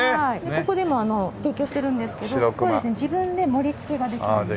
ここでもあの提供してるんですけど自分で盛り付けができるんです。